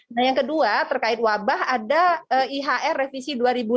nah yang kedua terkait wabah ada ihr revisi dua ribu lima belas